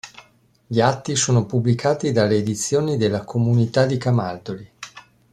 Gli Atti sono pubblicati dalle Edizioni della Comunità di Camaldoli.